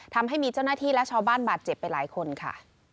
ทำให้มีเจ้าหน้าที่และชาวบ้านบาดเจ็บไปหลายคนค่ะ